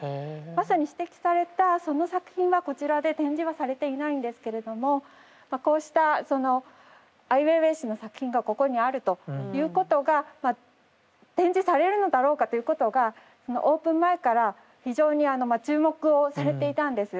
まさに指摘されたその作品はこちらで展示はされていないんですけれどもこうしたそのアイウェイウェイ氏の作品がここにあるということが展示されるのだろうかということがオープン前から非常にあのまあ注目をされていたんです。